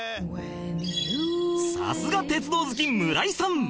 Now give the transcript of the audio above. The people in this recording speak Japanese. さすが鉄道好き村井さん！